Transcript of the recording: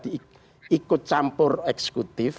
ikut campur eksekutif